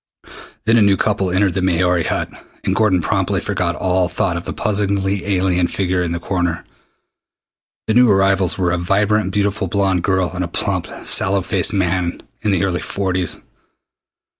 Then a new couple entered the Maori Hut, and Gordon promptly forgot all thought of the puzzlingly alien figure in the corner. The new arrivals were a vibrantly beautiful blond girl and a plump, sallow faced man in the early forties.